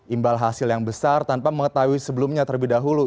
imbal hasil yang besar tanpa mengetahui sebelumnya terlebih dahulu